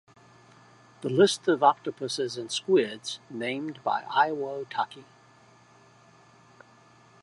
The list of octopuses and squids named by Iwao Taki.